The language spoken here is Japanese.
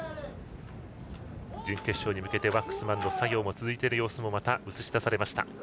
準決勝に向けてワックスマンの作業が続いている様子もまた、映し出されました。